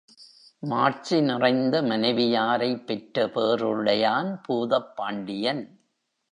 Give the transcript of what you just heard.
மாட்சி நிறைந்த மனைவி யாரைப் பெற்ற பேறுடையான் பூதப்பாண்டியன்.